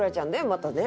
またね